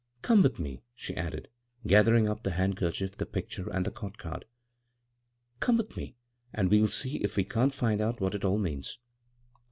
" Come with 191 bvGoog[c CROSS CURRENTS me," she added, gathering up the handker chief, the picture, and the cot card. " Come with me and we'll see if we can't find out what it all means."